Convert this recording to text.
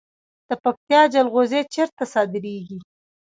د پکتیا جلغوزي چیرته صادریږي؟